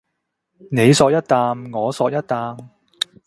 你嗦一啖我嗦一啖